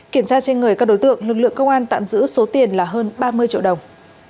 kiểm tra trên người các đối tượng lực lượng công an tạm giữ số tiền là hơn ba mươi triệu đồng